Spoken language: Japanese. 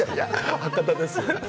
博多です。